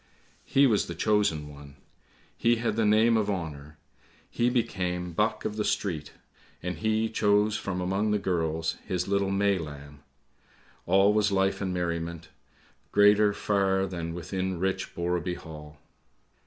He was the chosen one, he had the name of honour, he became ' Buck of the Street! ' and he chose from among the girls his little May lamb. All was life and merriment, greater far than within rich Borreby Hall.